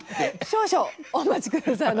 少々お待ち下さい。